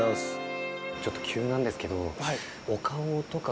ちょっと急なんですけど。